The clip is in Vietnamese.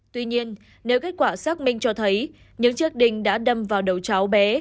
tuy nhiên nếu kết quả xác minh cho thấy những chiếc đình đã đâm vào đầu cháu bé